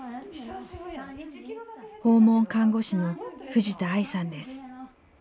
訪問看護師の藤田愛さんです。